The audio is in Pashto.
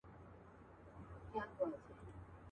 حجره سته طالب یې نسته.